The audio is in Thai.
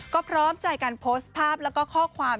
ก็พร้อมใจการโพสต์ภาพแล้วก็ข้อความ